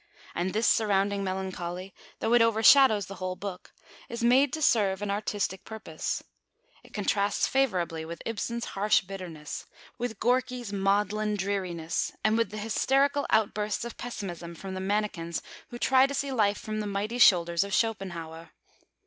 And this surrounding melancholy, though it overshadows the whole book, is made to serve an artistic purpose. It contrasts favourably with Ibsen's harsh bitterness, with Gorky's maudlin dreariness, and with the hysterical outbursts of pessimism from the manikins who try to see life from the mighty shoulders of Schopenhauer.